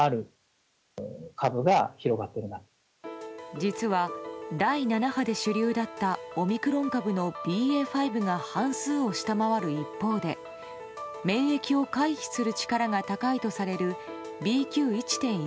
実は、第７波で主流だったオミクロン株のＢＡ．５が半数を下回る一方で免疫を回避する力が高いとされるＢＱ．１．１